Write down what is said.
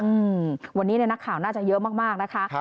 อืมวันนี้เนี่ยนักข่าวน่าจะเยอะมากนะคะ